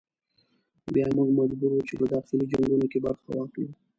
بیا موږ مجبور وو چې په داخلي جنګونو کې برخه واخلو.